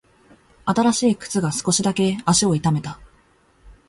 新しい靴が少しだけ足を痛めた。